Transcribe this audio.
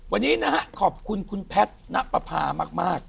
วันนี้นะฮะขอบคุณคุณแพทย์ณปภามาก